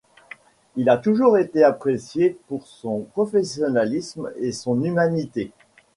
Il a toujours été apprécié pour son professionnalisme et son humanité.